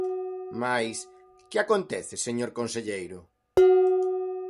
Mais ¿que acontece, señor conselleiro?